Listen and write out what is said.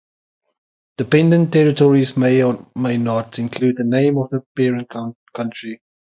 Dependent territories may or may not include the name of the parent country.